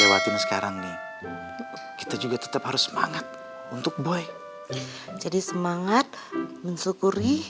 lewatin sekarang nih kita juga tetap harus semangat untuk boy jadi semangat mensyukuri